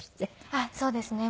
あっそうですね。